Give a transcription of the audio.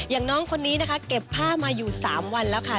อย่างน้องคนนี้นะคะเก็บผ้ามาอยู่๓วันแล้วค่ะ